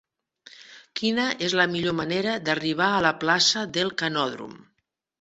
Quina és la millor manera d'arribar a la plaça del Canòdrom?